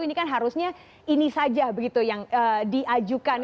ini kan harusnya ini saja begitu yang diajukan